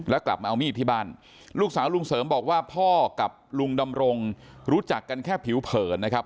แล้วกลับมาเอามีดที่บ้านลูกสาวลุงเสริมบอกว่าพ่อกับลุงดำรงรู้จักกันแค่ผิวเผินนะครับ